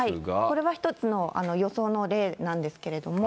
これは一つの予想の例なんですけれども。